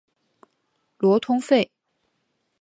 雷通费。